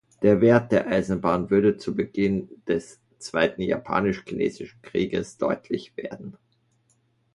Der Wert der Eisenbahn würde zu Beginn des zweiten Japanisch-Chinesischen Krieges deutlich werden.